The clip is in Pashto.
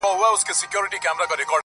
ورته ښکاري ځان له نورو چي ښاغلی,